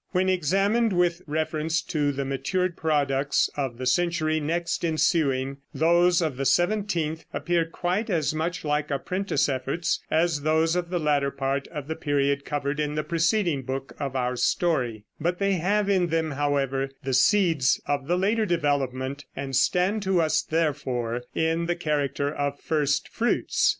When examined with reference to the matured productions of the century next ensuing, those of the seventeenth appear quite as much like apprentice efforts as those of the latter part of the period covered in the preceding book of our story; but they have in them, however, the seeds of the later development, and stand to us, therefore, in the character of first fruits.